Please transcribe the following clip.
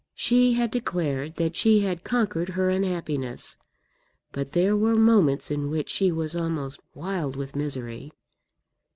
She had declared that she had conquered her unhappiness; but there were moments in which she was almost wild with misery.